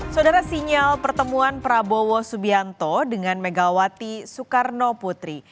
saudara sinyal pertemuan prabowo subianto dengan megawati soekarno putri